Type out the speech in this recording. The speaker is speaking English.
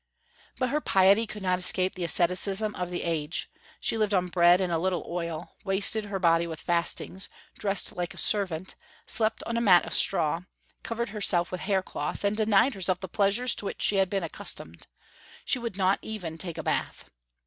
But her piety could not escape the asceticism of the age; she lived on bread and a little oil, wasted her body with fastings, dressed like a servant, slept on a mat of straw, covered herself with haircloth, and denied herself the pleasures to which she had been accustomed; she would not even take a bath.